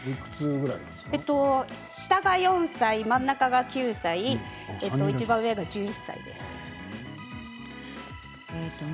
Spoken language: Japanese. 下が４歳と真ん中が９歳いちばん上が１０歳です。